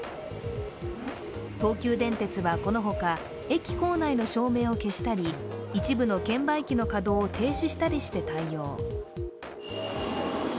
東急電鉄はこのほか駅構内の照明を消したり一部の券売機の稼働を停止したりして対応。